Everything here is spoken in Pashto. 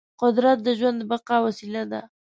قدرت د ژوند د بقا وسیله ده.